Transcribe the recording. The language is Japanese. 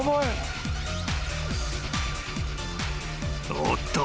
［おっと。